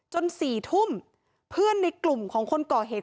สี่ทุ่มเพื่อนในกลุ่มของคนก่อเหตุ